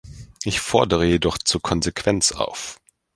Ich fordere jedoch zu Konsequenz auf.